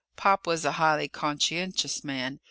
Pop was a highly conscientious man.